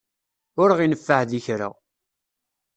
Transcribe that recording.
Ur ɣ-ineffeɛ di kra.